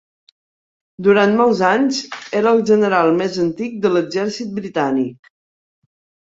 Durant molts anys era el general més antic de l'Exèrcit Britànic.